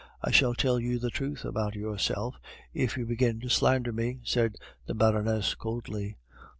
"I shall tell you the truth about yourself if you begin to slander me," said the Baroness coldly.